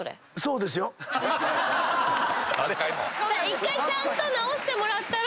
１回ちゃんと直してもらったら。